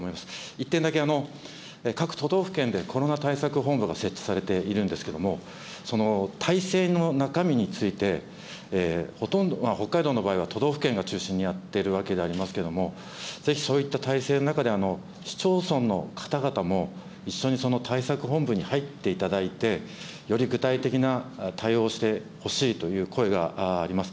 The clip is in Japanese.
１点だけ、各都道府県でコロナ対策本部が設置されているんですけれども、その体制の中身について、ほとんど、北海道の場合は都道府県が中心にやっているわけでありますけれども、ぜひそういった体制の中で、市町村の方々も一緒にその対策本部に入っていただいて、より具体的な対応をしてほしいという声があります。